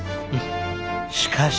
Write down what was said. しかし。